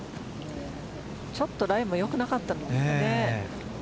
ちょっとライも良くなかったですかね。